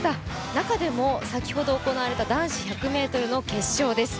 中でも先ほど行われた男子１００ｍの決勝です。